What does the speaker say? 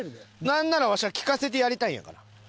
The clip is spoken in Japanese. なんならわしは聞かせてやりたいんやから。